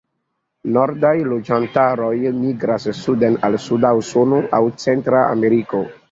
Nordaj loĝantaroj migras suden al suda Usono aŭ Centra Ameriko.